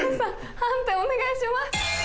判定お願いします。